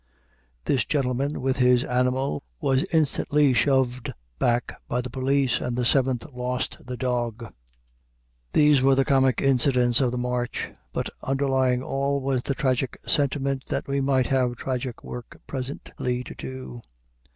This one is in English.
This gentleman, with his animal, was instantly shoved back by the police, and the Seventh lost the "dorg." These were the comic incidents of the march, but underlying all was the tragic sentiment that we might have tragic work presently to do.